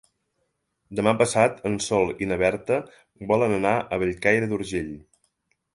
Demà passat en Sol i na Berta volen anar a Bellcaire d'Urgell.